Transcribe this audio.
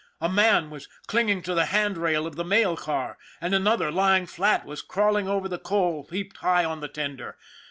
A man was clinging to the hand rail of the mail car, and another, lying flat, was crawling over the coal heaped high on the tender.